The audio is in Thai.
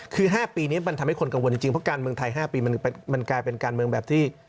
คือ๕ปีนี้มันทำให้คนกังวลจริงเพราะการเมืองไทย๕ปีมันกลายเป็นการเมืองแบบที่